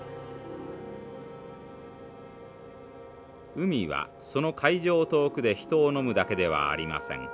海はその海上遠くで人をのむだけではありません。